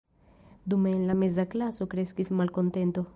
Dume en la meza klaso kreskis malkontento.